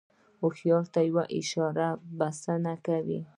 هوښیار ته یوه اشاره بسنه کوي.